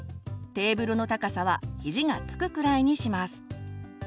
テーブルの高さは肘がつくくらいにします。